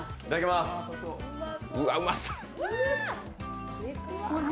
うわ、うまそう。